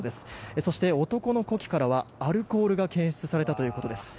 そして、男の呼気からはアルコールが検出されたということです。